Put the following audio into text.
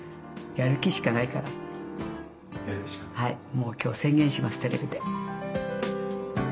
もう今日宣言しますテレビで。